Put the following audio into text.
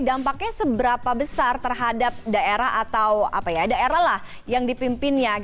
dampaknya seberapa besar terhadap daerah atau daerah lah yang dipimpinnya